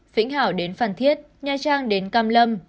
vĩnh hảo đến phan thiết nha trang đến cam lâm